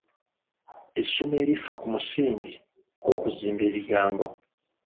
Essomo erifa ku musingi gw'okuzimba ebigambo.